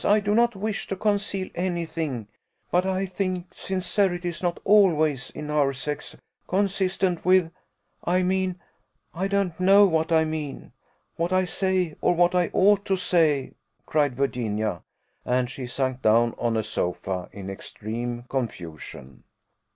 I do not wish to conceal any thing, but I think sincerity is not always in our sex consistent with I mean I don't know what I mean, what I say, or what I ought to say," cried Virginia; and she sunk down on a sofa, in extreme confusion.